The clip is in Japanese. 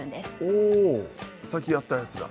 おさっきやったやつだ。